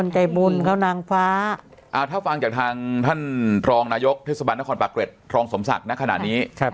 ถ้าฟังจากทหารท่านทองนายกเทศบัณฑ์หน้ากรปะเกรดทรองศมศักดิ์